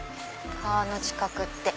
川の近くって。